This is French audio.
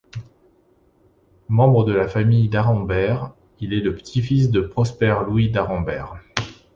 Membre de la famille d'Arenberg, il est le petit-fils de Prosper-Louis d'Arenberg.